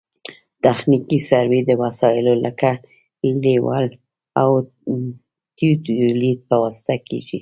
تخنیکي سروې د وسایلو لکه لیول او تیودولیت په واسطه کیږي